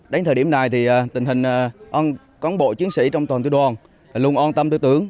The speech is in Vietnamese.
đến thời điểm này tình hình cán bộ chiến sĩ trong toàn tư đoàn luôn on tâm tư tướng